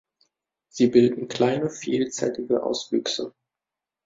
Sie bilden kleine vielzellige Auswüchse.